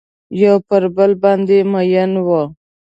یو پر بل باندې میین وه